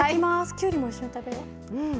きゅうりも一緒に食べよう。